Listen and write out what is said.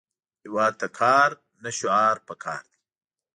هیواد ته کار، نه شعار پکار دی